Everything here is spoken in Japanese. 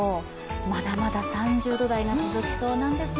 まだまだ３０度台が続きそうなんですね。